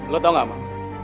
lo tau gak bang